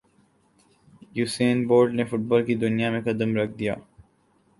Usain bolt نے football کی دنیا میں قدم رکھ دیا